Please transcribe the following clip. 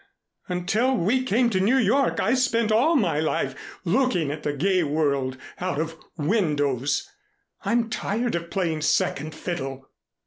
Until we came to New York I spent all of my life looking at the gay world out of windows. I'm tired of playing second fiddle."